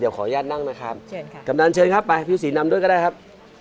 ขออนุญาตนั่งนะครับเชิญค่ะกำนันเชิญครับไปพี่ศรีนำด้วยก็ได้ครับ